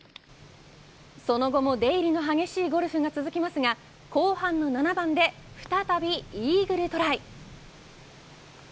その後も、出入りの激しいゴルフが続きますが後半の７番で再びイーグルトライ。